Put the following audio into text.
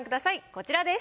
こちらです。